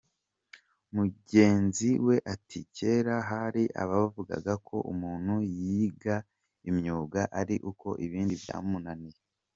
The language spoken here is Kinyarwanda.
Mugenzi we ati “Kera hari abavugaga ko umuntu yiga imyuga ari uko ibindi byamunaniye.